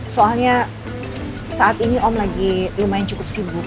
soalnya saat ini om lagi lumayan cukup sibuk